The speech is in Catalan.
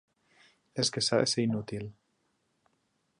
És que s'ha de ser inútil.